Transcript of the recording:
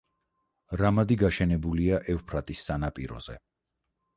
რამადი გაშენებულია ევფრატის სანაპიროზე.